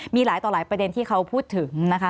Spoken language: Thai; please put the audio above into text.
มีหลายต่อหลายประเด็นที่เขาพูดถึงนะคะ